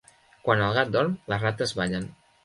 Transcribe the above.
Quan el gat dorm, les rates ballen.